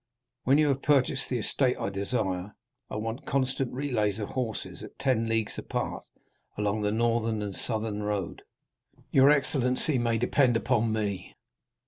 "When you have purchased the estate I desire, I want constant relays of horses at ten leagues apart along the northern and southern road." "Your excellency may depend upon me."